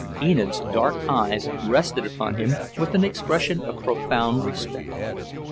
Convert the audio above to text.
Enid's dark eyes rested upon him with an expression of profound respect.